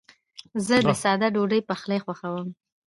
زه د ساده ډوډۍ پخلی خوښوم.